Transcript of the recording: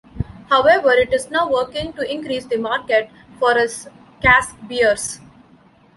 However, it is now working to increase the market for its cask beers.